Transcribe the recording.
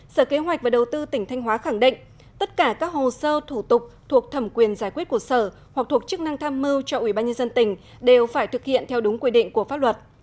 sở kế hoạch và đầu tư tỉnh thanh hóa khẳng định tất cả các hồ sơ thủ tục thuộc thẩm quyền giải quyết của sở hoặc thuộc chức năng tham mưu cho ủy ban nhân dân tỉnh đều phải thực hiện theo đúng quy định của pháp luật